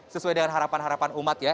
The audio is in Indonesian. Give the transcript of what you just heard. sesuai dengan harapan harapan umat ya